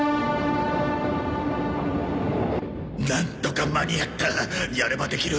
なんとか間に合ったやればできる！